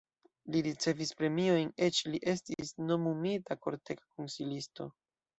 Li ricevis premiojn, eĉ li estis nomumita kortega konsilisto.